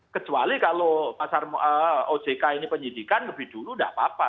kecuali kalau pasar ojk ini penyidikan lebih dulu tidak apa apa